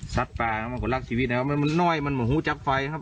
ซักตามันก็รักชีวิตนะครับมันน้อยมันเหมือนหูจับไฟครับ